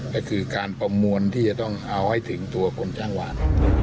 ก็คือการประมวลที่จะต้องเอาให้ถึงตัวคนจ้างหวาน